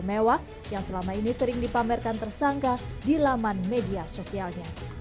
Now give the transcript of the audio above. mewah yang selama ini sering dipamerkan tersangka di laman media sosialnya